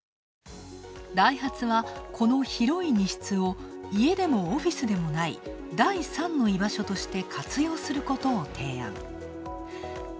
ダイハツは、この広い荷室を家でもオフィスでもない、第３の居場所として活用することを提案。